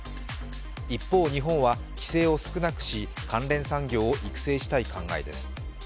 一方、日本は規制を少なくし、関連産業を育成したい考えです。